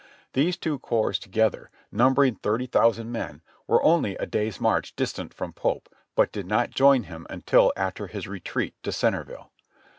These two corps together, numbering thirty thousand men, were only a day's march distant from Pope, but did not join him until after his retreat to Centerville.